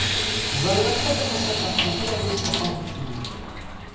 Զարգացած է մսակաթնատու անասնապահությունը։